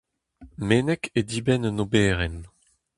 Meneg e dibenn un oberenn.